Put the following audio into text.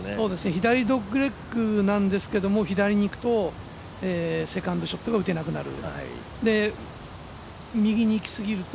左ドッグレッグなんですけど左に行くと、セカンドショットが打てなくなる。